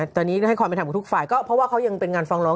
ตอนนี้ให้ความเป็นธรรมกับทุกฝ่ายก็เพราะว่าเขายังเป็นงานฟ้องร้อง